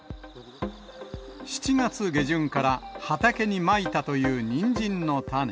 ７月下旬から畑にまいたというにんじんの種。